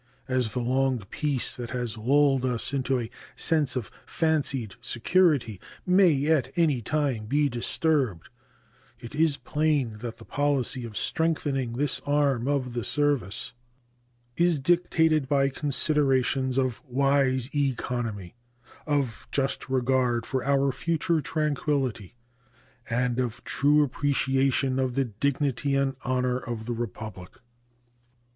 As the long peace that has lulled us into a sense of fancied security may at any time be disturbed, it is plain that the policy of strengthening this arm of the service is dictated by considerations of wise economy, of just regard for our future tranquillity, and of true appreciation of the dignity and honor of the Republic.